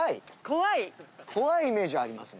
怖いイメージはありますね。